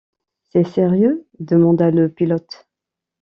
C’est sérieux? demanda le pilote.